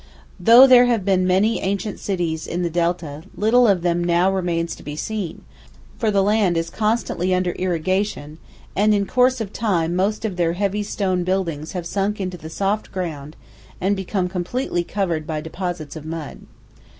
Though there have been many ancient cities in the Delta, little of them now remains to be seen, for the land is constantly under irrigation, and in course of time most of their heavy stone buildings have sunk into the soft ground and become completely covered by deposits of mud.